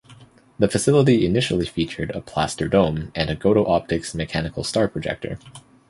The facility initially featured a plaster dome and a Goto Optics mechanical star projector.